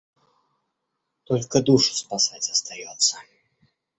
Только душу спасать остается.